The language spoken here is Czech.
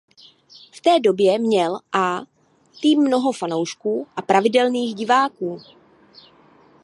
V té době měl „A“ tým mnoho fanoušků a pravidelných diváků.